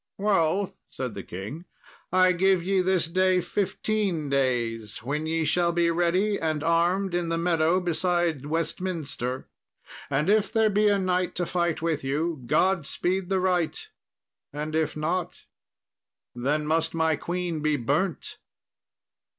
"Well," said the king, "I give ye this day fifteen days, when ye shall be ready and armed in the meadow beside Westminster, and if there be a knight to fight with you, God speed the right, and if not, then must my queen be burnt."